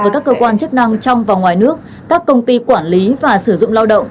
với các cơ quan chức năng trong và ngoài nước các công ty quản lý và sử dụng lao động